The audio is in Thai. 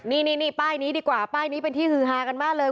นี่ป้ายนี้ดีกว่าเป็นที่หือฮากันมากเลย